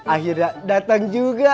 akhirnya datang juga